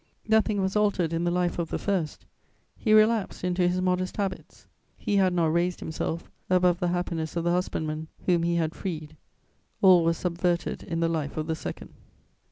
Nothing was altered in the life of the first; he relapsed into his modest habits; he had not raised himself above the happiness of the husbandman whom he had freed: all was subverted in the life of the second.